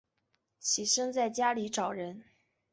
起身在家里找人